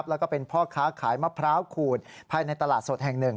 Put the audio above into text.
แล้วก็เป็นพ่อค้าขายมะพร้าวขูดภายในตลาดสดแห่งหนึ่ง